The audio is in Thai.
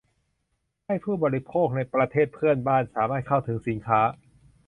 ให้ผู้บริโภคในประเทศเพื่อนบ้านสามารถเข้าถึงสินค้า